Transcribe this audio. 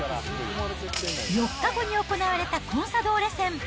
４日後に行われたコンサドーレ戦。